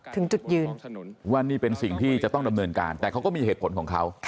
ถึงจุดยืนว่านี่เป็นสิ่งที่จะต้องดำเนินการแต่เขาก็มีเหตุผลของเขา